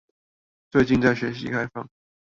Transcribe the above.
最近在學習開放